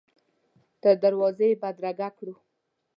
تر دروازې یې بدرګه کړو.